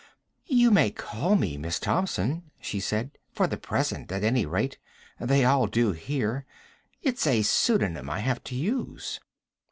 "You may call me Miss Thompson," she said. "For the present, at any rate. They all do here. It's a pseudonym I have to use."